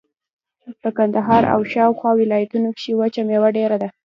په کندهار او شاوخوا ولایتونو کښې وچه مېوه ډېره ده.